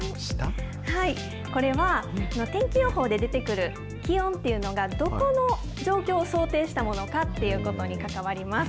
これは、天気予報で出てくる気温というのが、どこの状況を想定したものかっていうことに関わります。